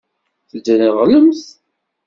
Tedreɣlemt?